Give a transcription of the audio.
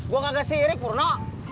gue kagak sirik purno